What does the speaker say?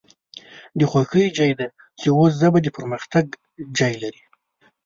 د خوښۍ ځای د چې اوس ژبه د پرمختګ ځای لري